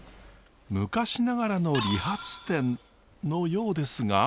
昔ながらの理髪店のようですが。